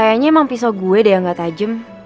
kayaknya emang pisau gue deh yang gak tajam